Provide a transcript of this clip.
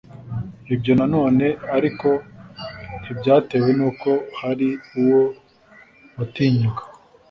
Ibyo nanone ariko ntibyatewe n’uko hari uwo watinyaga,